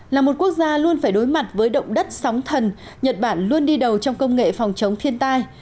là một quốc gia luôn phải đối mặt với động đất sóng thần nhật bản luôn đi đầu trong công nghệ phòng chống thiên tai